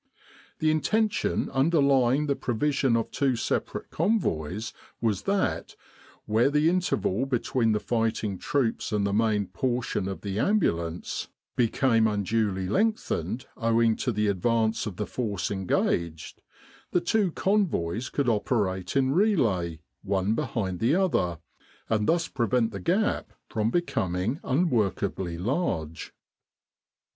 The intention underlying the provision of two separate Convoys was that, where the interval between the fighting troops and the main por 79 With the R.A.M.C. in Egypt tion of the Ambulance became unduly lengthened owing to the advance of the force engaged, the two Convoys could operate in relay, one behind the other, and thus prevent the gap from becoming unworkably large.